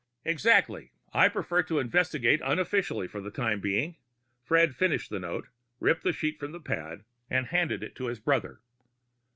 "Exactly. I prefer to investigate unofficially for the time being." Fred finished the note, ripped the sheet from the pad and handed it to his brother.